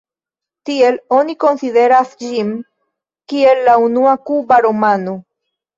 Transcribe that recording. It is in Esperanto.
Tiel oni konsideras ĝin kiel la unua kuba romano.